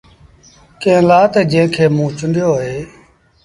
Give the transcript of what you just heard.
ڪݩهݩ لآ تا جنٚهنٚ کي موٚنٚ چونڊيو اهي